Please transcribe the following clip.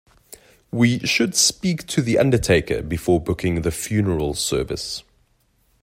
We should speak to the undertaker before booking the funeral service